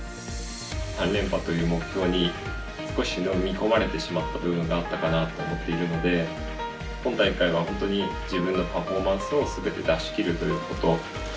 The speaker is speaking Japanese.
３連覇という目標に少し飲み込まれてしまった部分があったかなと思っているので今大会は、本当に自分のパフォーマンスをすべて出し切るということ。